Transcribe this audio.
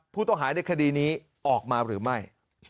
ผู้ต้องหาในคดีนี้ออกมาหรือไม่